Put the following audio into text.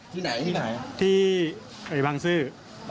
ที่ไหนที่ไหนที่บางซื่อ